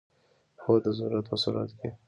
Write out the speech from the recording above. هو، د ضرورت په صورت کې